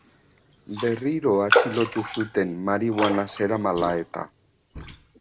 Berriro atxilotu zuten marihuana zeramala-eta.